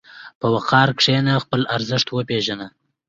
په وقار کښېنه، خپل ارزښت وپېژنه.